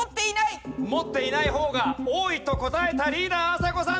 持っていない方が多いと答えたリーダーあさこさん